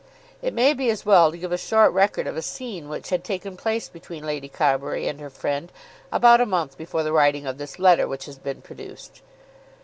It may be as well to give a short record of a scene which had taken place between Lady Carbury and her friend about a month before the writing of this letter which has been produced.